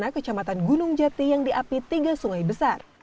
kecamatan gunung jati yang diapi tiga sungai besar